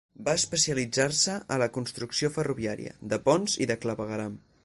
Va especialitzar-se a la construcció ferroviària, de ponts i de clavegueram.